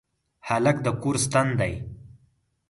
هلک د کور ستن دی.